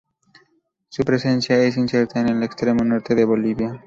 Su presencia es incierta en el extremo norte de Bolivia.